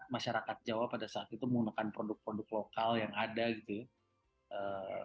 masyarakat jawa pada saat itu menggunakan produk produk lokal yang ada gitu ya